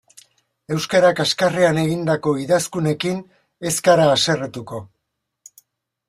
Euskara kaxkarrean egindako idazkunekin ez gara haserretuko.